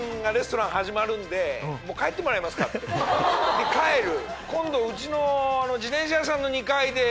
で帰る。